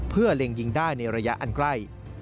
เพื่อเล็งยิงได้ในระยะอันใกล้